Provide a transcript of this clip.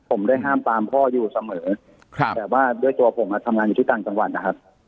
ผมได้ห้ามตามพ่ออยู่เสมอแต่ว่าด้วยตัวผมทำงานอยู่ที่ต่างจังหวัดนะครับ